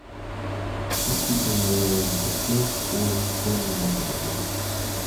This became known as the "First Order Fermi Mechanism".